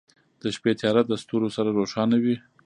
• د شپې تیاره د ستورو سره روښانه وي.